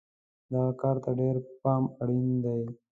دغه کار ته ډېر پام اړین دی.